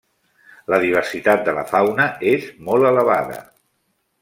La diversitat de la fauna és molt elevada.